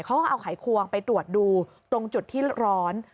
เขาก็เอาไขควงไปตรวจดูตรงจุดที่ร้อน